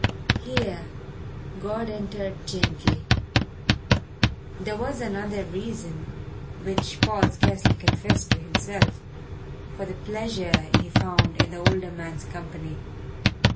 Here God entered gently. There was another reason, which Paul scarcely confessed to himself, for the pleasure he found in the older man's company.